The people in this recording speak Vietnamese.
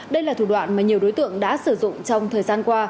đây là thủ đoạn mà nhiều đối tượng đã sử dụng trong thời gian qua